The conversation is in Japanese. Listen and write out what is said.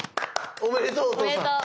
おめでとう。